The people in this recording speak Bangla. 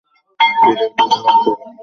ভিডিওটা ব্লক করো।